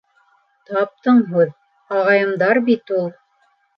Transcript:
— Таптың һүҙ, ағайымдар бит ул.